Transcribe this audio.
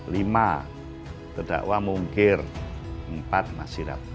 lima terdakwa mungkir empat masih rakyat